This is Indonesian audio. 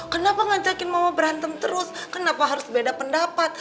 kenapa ngajakin mama berantem terus kenapa harus beda pendapat